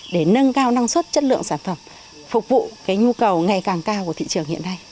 để nâng cao năng suất chất lượng sản phẩm phục vụ nhu cầu ngày càng cao của thị trường hiện nay